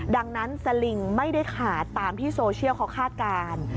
ดังนั้นสลิงไม่ได้ขาดตามที่โซเชียลเขาคาดการณ์